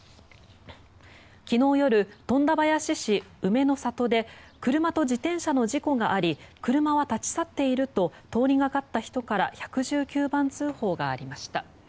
昨日夜、富田林市梅の里で車と自転車の事故があり車は立ち去っていると通りかかった人から１１９番通報がありました。